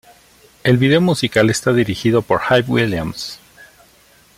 El video musical está dirigido por Hype Williams.